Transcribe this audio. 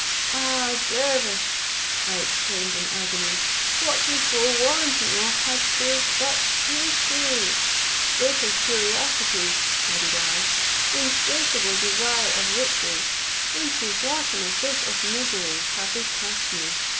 "Ah! dervish," I exclaimed in agony, "what you forewarned me of has proved but too true. Fatal curiosity," added I, "insatiable desire of riches, into what an abyss of miseries have they cast me!